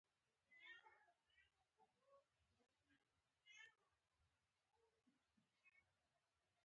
دا منبر د میخونو له کارولو پرته جوړ شوی و.